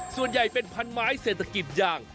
ส่วนใหญ่เป็นพันไม้เศรษฐกิจยาง